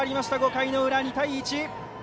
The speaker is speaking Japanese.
５回の裏、２対１。